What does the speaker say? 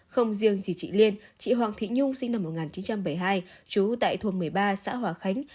không riêng gì chị liên chị hoàng thị nhung sinh năm một nghìn chín trăm bảy mươi hai trú tại thôn một mươi ba xã hòa khánh